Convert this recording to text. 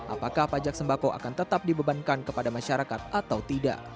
apakah pajak sembako akan tetap dibebankan kepada masyarakat atau tidak